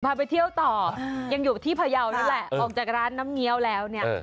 ไปเที่ยวต่อยังอยู่ที่พยาวแล้วแหละออกจากร้านน้ำเงี้ยวแล้วเนี่ย